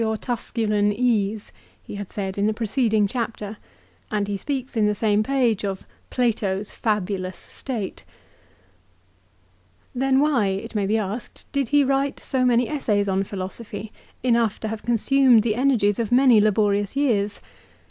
Z 338 LIFE OF CICERO. Tusculau ease " he had said in the preceding chapter ; and he speaks, in the same page, of "Plato's fabulous State." Then why, it may be asked, did he write so many essays on philosophy, enough to have consumed the energies of many laborious years ?